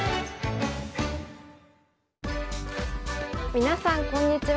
みなさんこんにちは。